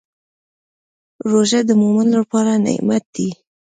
روژه د مؤمن لپاره نعمت دی.